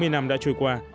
bốn mươi năm đã trôi qua